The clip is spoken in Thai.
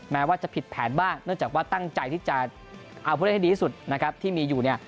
แม้ว่าจะผิดแผนบ้างเนื่องจากว่าตั้งใจที่จะเอาผู้เล่นให้ดีที่สุดนะครับที่มีอยู่เนี่ย